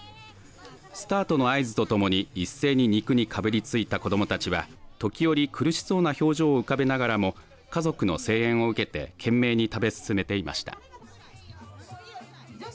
スタートの合図とともに一斉に肉にかぶりついた子どもたちは時折苦しそうな表情を浮かべながらも家族の声援を受けて懸命に食べ進めていました。